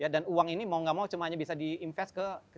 dan uang ini mau gak mau cuma bisa di invest ke